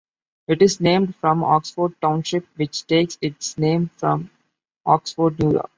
It is named from Oxford Township, which takes its name from Oxford, New York.